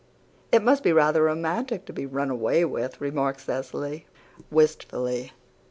"It must be rather romantic to be run away with," remarked Cecily, wistfully.